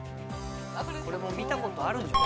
これもう見たことあるんじゃ。